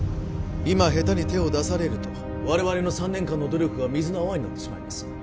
今へたに手を出されると我々の３年間の努力が水の泡になってしまいます